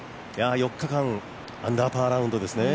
４日間、アンダーパーラウンドですね。